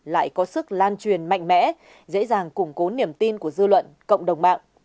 lại có sức lan truyền mạnh mẽ dễ dàng củng cố niềm tin của dư luận cộng đồng mạng